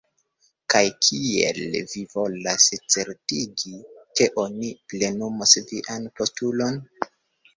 Kaj kiel vi volas certigi, ke oni plenumos vian postulon?